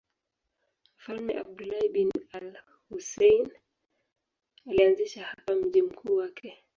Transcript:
Mfalme Abdullah bin al-Husayn alianzisha hapa mji mkuu wake.